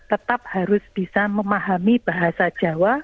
tetap harus bisa memahami bahasa jawa